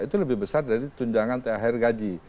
itu lebih besar dari tunjangan thr gaji